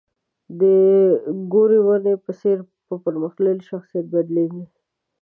د ګورې ونې په څېر په پرمختللي شخصیت بدلېږي.